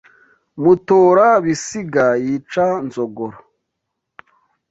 Mutora-bisiga yica Nzogoro